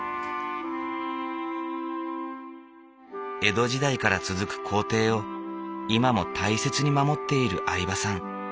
江戸時代から続く工程を今も大切に守っている饗庭さん。